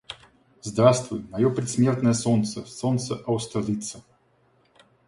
Здравствуй, мое предсмертное солнце, солнце Аустерлица!